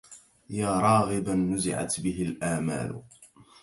يا راغبا نزعت به الآمال